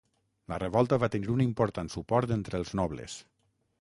La revolta va tenir un important suport entre els nobles.